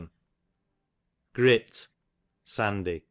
Grit, sandy.